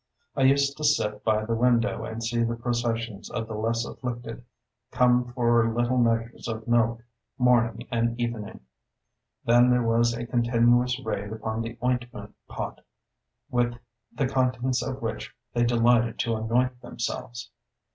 I used to sit by the window and see the processions of the less afflicted come for little measures of milk, morning and evening. Then there was a continuous raid upon the ointment pot, with the contents of which they delighted to anoint themselves.